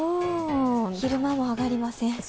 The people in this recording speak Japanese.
昼間も上がりません。